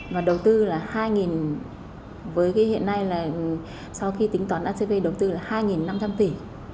và đầu tư là hai nghìn với cái hiện nay là sau khi tính toán acv đầu tư là hai nghìn năm trăm linh tỷ